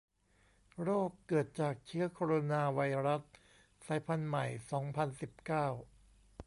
โรค เกิดจากเชื้อโคโรนาไวรัส สายพันธุ์ใหม่ สองพันสิบเก้า